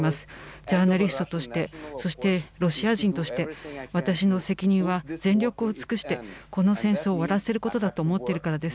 ジャーナリストとして、そしてロシア人として、私の責任は全力を尽くしてこの戦争を終わらせることだと思っているからです。